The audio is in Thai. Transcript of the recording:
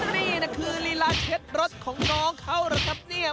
นี่นะคือลีลาเช็ดรถของน้องเขาหรือครับเนี่ย